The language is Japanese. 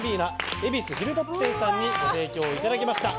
恵比寿ヒルトップ店にご提供していただきました。